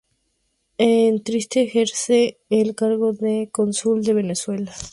En Trieste ejerce el cargo de Cónsul de Venezuela.